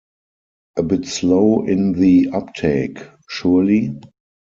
A bit slow in the uptake, surely?